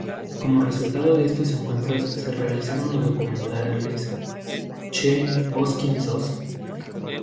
Como resultado de estos encuentros se realizaron los Documentales: Che, ¿Vos quien sos?